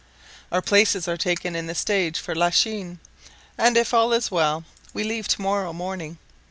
Our places are taken in the stage for Lachine, and if all is well, we leave Montreal to morrow morning.